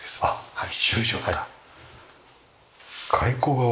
はい。